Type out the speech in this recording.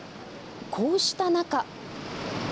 こうした中。